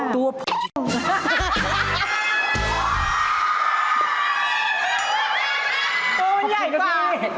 ตัวมันใหญ่กว่า